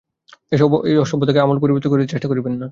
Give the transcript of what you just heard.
ঐ সভ্যতাকে আমূল পরিবর্তিত করিতে চেষ্টা করিবেন না।